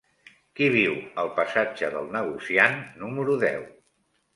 Qui viu al passatge del Negociant número deu?